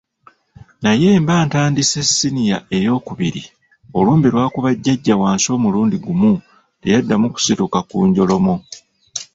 Naye mba ntandise Ssiniya eyookubiri, olumbe lwakuba jjajja wansi omulundi gumu teyaddamu kusituka ku njoloomo.